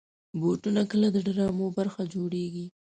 بوټونه کله د ډرامو برخه جوړېږي.